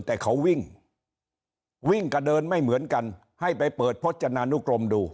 แต่เขาวิ่งวิ่งกับเดินไม่เหมือนกันให้ไปเปิดพจนานุกรมดู